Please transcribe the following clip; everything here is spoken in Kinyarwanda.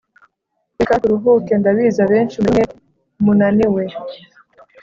reka turuhuke ndabizi abenshi muri mwe munaniwe